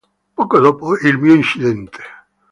Poco dopo il mio incidente.